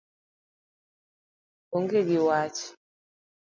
Onge gi wach.